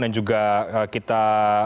dan juga kita